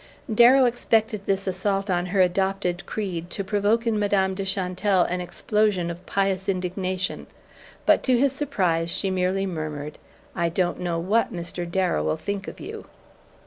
Darrow expected this assault on her adopted creed to provoke in Madame de Chantelle an explosion of pious indignation; but to his surprise she merely murmured: "I don't know what Mr. Darrow'll think of you!"